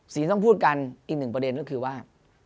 สิมต้องพูดกันอีกหนึ่งประเด็นนึงก็คือว่า